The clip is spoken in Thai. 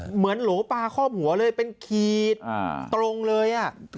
เหมือนหลวงปลาข้อมหัวเลยเป็นขีดตรงเลย